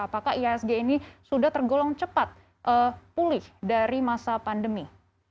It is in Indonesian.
apakah ihsg ini sudah tergolong cepat pulih dari masa pandemi